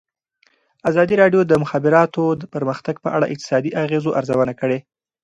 ازادي راډیو د د مخابراتو پرمختګ په اړه د اقتصادي اغېزو ارزونه کړې.